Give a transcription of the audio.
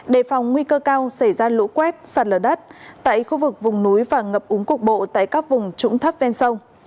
đề phòng nguy cơ cao xảy ra lũ quét sạt lở đất tại khu vực vùng núi và ngập úng cục bộ tại các vùng trũng thấp ven sông